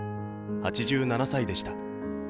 ８７歳でした。